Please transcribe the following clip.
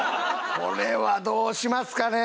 これはどうしますかね？